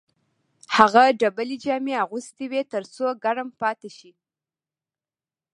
هغه ډبلې جامې اغوستې وې تر څو ګرم پاتې شي